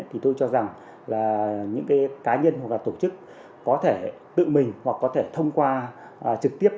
thì tôi cho rằng là những cái cá nhân hoặc là tổ chức có thể tự mình hoặc có thể thông qua trực tiếp